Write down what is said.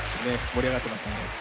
盛り上がってましたね。